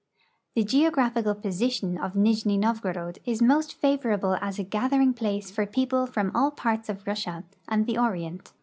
The geographical position of Nijni Novgorod is most favorable as a gathering place for people from all parts of Russia and the Orient.